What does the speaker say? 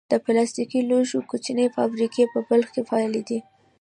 د پلاستیکي لوښو کوچنۍ فابریکې په بلخ کې فعالې دي.